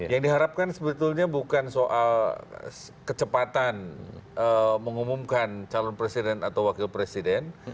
yang diharapkan sebetulnya bukan soal kecepatan mengumumkan calon presiden atau wakil presiden